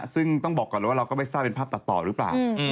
ซึ่งต้องบอกก่อนเลยว่าเราก็ไม่ทราบเป็นภาพตัดต่อหรือเปล่า